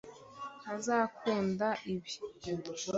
ntazakunda ibi